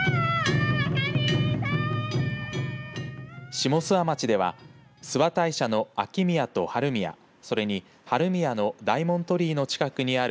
下諏訪町では諏訪大社の秋宮と春宮それに春宮の大門鳥居の近くにある。